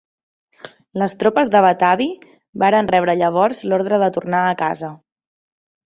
Les tropes de Batavi varen rebre llavors l'ordre de tornar a casa.